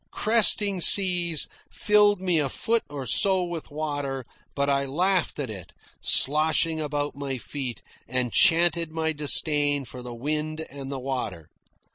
Cresting seas filled me a foot or so with water, but I laughed at it sloshing about my feet, and chanted my disdain for the wind and the water.